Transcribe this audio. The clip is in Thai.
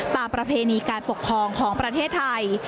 ประเพณีการปกครองของประเทศไทย